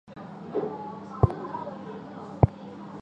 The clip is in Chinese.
当时的伊拉克童军倡议委员会领导。